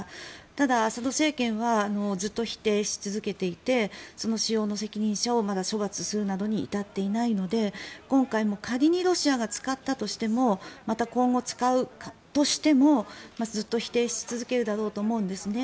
ただ、アサド政権はずっと否定し続けていて使用の責任者をまだ処罰するなどに至っていないので今回も仮にロシアが使ったとしてもまた今後使うとしてもずっと否定し続けるだろうと思うんですね。